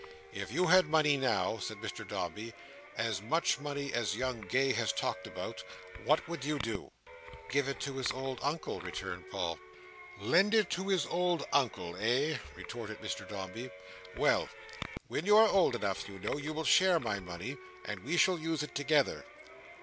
"If you had money now," said Mr Dombey; "as much money as young Gay has talked about; what would you do?" "Give it to his old Uncle," returned Paul. "Lend it to his old Uncle, eh?" retorted Mr Dombey. "Well! When you are old enough, you know, you will share my money, and we shall use it together."